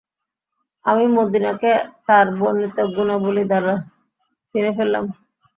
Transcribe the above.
আমি মদীনাকে তার বর্ণিত গুণাবলী দ্বারা চিনে ফেললাম।